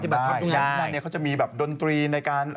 ที่นั้นเนี่ยเขาจะมีแบบดนตรีในการ